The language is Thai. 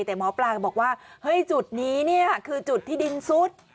แต่หมอปลาบอกว่าจุดนี้คือจุดที่ดินซุด